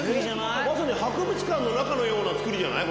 まさに博物館の中のような造りじゃない？